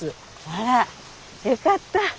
あらよかった。